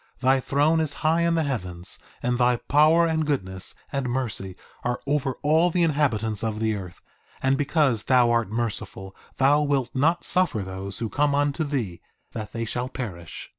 Thy throne is high in the heavens, and thy power, and goodness, and mercy are over all the inhabitants of the earth, and, because thou art merciful, thou wilt not suffer those who come unto thee that they shall perish!